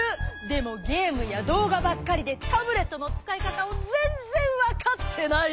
でもゲームやどうがばっかりでタブレットのつかいかたをぜんぜんわかってない！